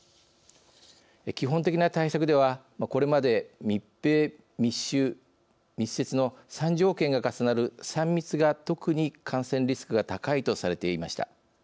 基本的な対策ではこれまで、密閉、密集、密接の３条件が重なる３密が特に感染リスクが高いとされていました。